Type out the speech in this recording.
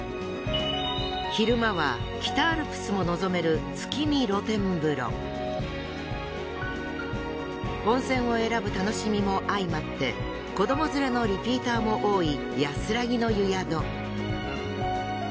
昼間は北アルプスも望める温泉を選ぶ楽しみもあいまって子ども連れのリピーターも多い安らぎの湯宿。